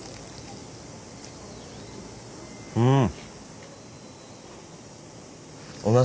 うん！